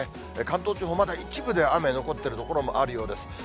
関東地方、まだ一部で雨、残っている所もあるようです。